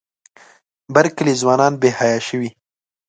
بر کلي ځوانان بې حیا شوي.